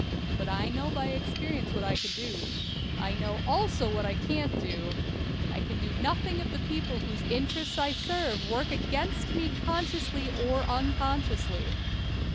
But I know by experience what I can do. I know also what I can't do. I can do nothing if the people whose interests I serve work against me consciously or unconsciously.